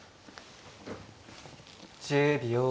１０秒。